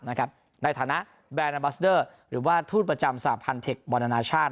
นะครับในฐานะหรือว่าทูตประจำสาพันธุ์เทควันนาชาติ